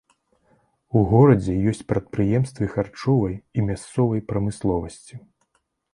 У горадзе ёсць прадпрыемствы харчовай і мясцовай прамысловасці.